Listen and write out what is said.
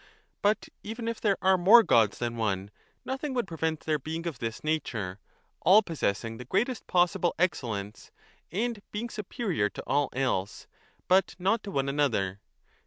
But even if there are more gods than one, nothing would prevent their being of this nature, all possessing the greatest possible 978* excellence and being superior to all else, but not to one another.